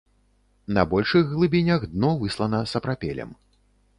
На большых глыбінях дно выслана сапрапелем.